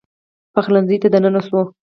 پخلنځي ته دننه سو